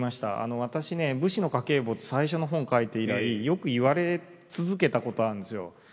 私ね「武士の家計簿」って最初の本書いて以来よく言われ続けたことあるんですよ。